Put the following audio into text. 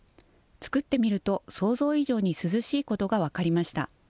作ってみると、想像以上に涼しいことが分かりました。